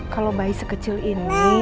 kalau bayi sekecil ini